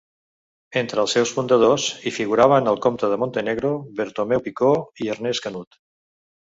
Entre els seus fundadors, hi figuraven el comte de Montenegro, Bartomeu Picó i Ernest Canut.